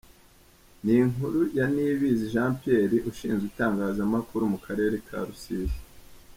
Ni inkuru ya Niyibizi Jean Pierre Ushinzwe Itangazamakuru mu Karere ka Rusizi.